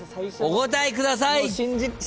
お答えください。